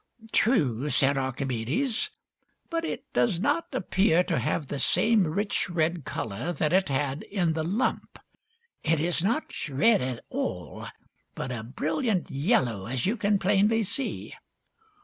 " True," said Archimedes, " but it does not appear to have the same rich red color that it had in the lump. It is not red at all, but a brilliant yellow, as you can plainly see."